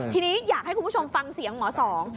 ทีนี้อยากให้คุณผู้ชมฟังเสียงหมอสอง